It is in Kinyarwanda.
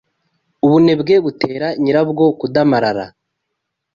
Ubunebwe butera nyirabwo kudamarara